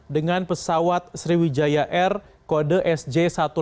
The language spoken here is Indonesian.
dengan pesawat sriwijaya air kode sj satu ratus delapan puluh